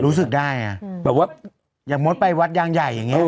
รู้สึกได้อ่ะแบบว่าอย่างมดไปวัดยางใหญ่อย่างนี้